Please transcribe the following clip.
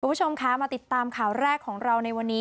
คุณผู้ชมคะมาติดตามข่าวแรกของเราในวันนี้